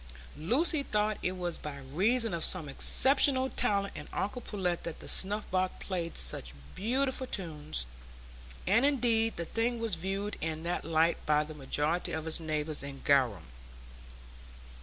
Lucy thought it was by reason of some exceptional talent in uncle Pullet that the snuff box played such beautiful tunes, and indeed the thing was viewed in that light by the majority of his neighbours in Garum.